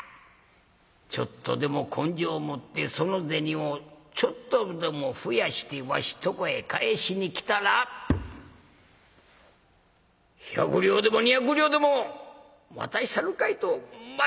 ちょっとでも根性持ってその銭をちょっとでも増やしてわしとこへ返しに来たら百両でも２百両でも渡したるかと待っとったんじゃ。